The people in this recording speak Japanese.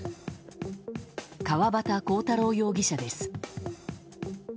川端浩太郎容疑者です。